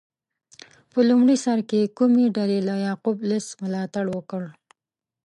په لومړي سر کې کومې ډلې له یعقوب لیث ملاتړ وکړ؟